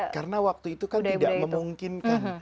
karena waktu itu kan tidak memungkinkan